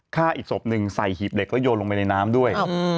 ฆ่าอีกศพหนึ่งใส่หีบเหล็กแล้วโยนลงไปในน้ำด้วย